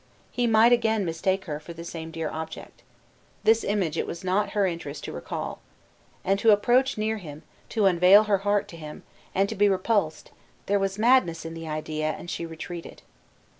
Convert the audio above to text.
He might again mistake her for the same dear object. This image it was not her interest to recall. And to approach near him, to unveil her heat to him, and to be repulsed there was madness in the idea, and she retreated.